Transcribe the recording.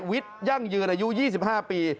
วิทย์ยั่งยืนอายุ๒๕ปี